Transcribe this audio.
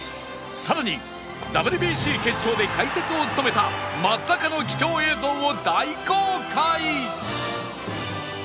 さらに ＷＢＣ 決勝で解説を務めた松坂の貴重映像を大公開！